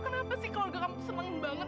kenapa sih keluarga kamu seneng banget